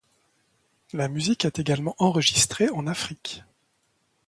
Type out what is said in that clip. La musique est également enregistrée en Afrique.